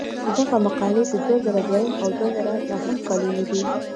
دغه مقالې د دوه زره دویم او دوه زره نهم کلونو دي.